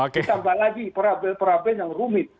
ditambah lagi perabel perabel yang rumit